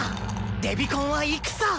デビコンは戦！